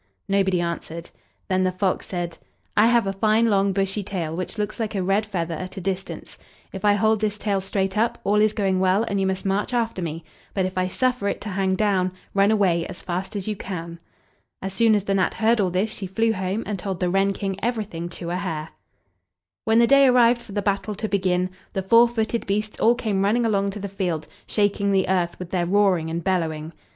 Nobody answered. Then the fox said: "I have a fine long bushy tail, which looks like a red feather at a distance; if I hold this tail straight up, all is going well and you must march after me; but if I suffer it to hang down, run away as fast as you can." As soon as the gnat heard all this she flew home and told the wren King everything to a hair. When the day arrived for the battle to begin, the four footed beasts all came running along to the field, shaking the earth with their roaring and bellowing.